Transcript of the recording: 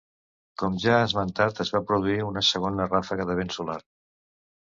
Com ja s'ha esmentat es va produir una segona ràfega de vent solar.